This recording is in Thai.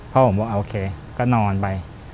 พ่อผมบอกโอเคก็นอนไป